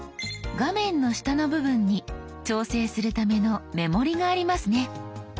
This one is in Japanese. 画面の下の部分に調整するための目盛りがありますね。